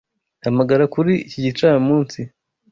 Hamagara kuri iki gicamunsi.